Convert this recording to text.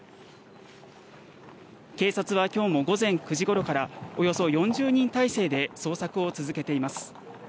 警察は今日も午前９時頃からおよそ４０人態勢で捜索を続けています。